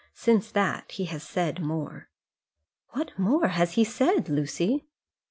Since that he has said more." "What more has he said, Lucy?"